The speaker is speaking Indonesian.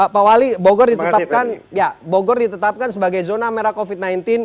pak wali bogor ditetapkan bogor ditetapkan sebagai zona merah covid sembilan belas